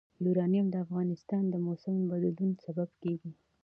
یورانیم د افغانستان د موسم د بدلون سبب کېږي.